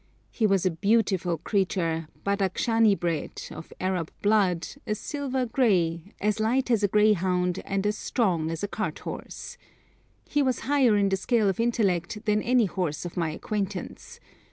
He was a beautiful creature, Badakshani bred, of Arab blood, a silver grey, as light as a greyhound and as strong as a cart horse. He was higher in the scale of intellect than any horse of my acquaintance.